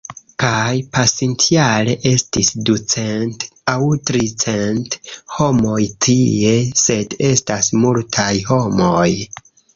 Kaj pasintjare estis ducent aŭ tricent homoj tie sed estas multaj homoj.